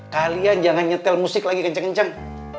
kalian jangan nyetel musik lagi kenceng kenceng